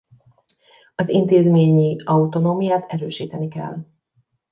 Az intézményi autonómiát erősíteni kell.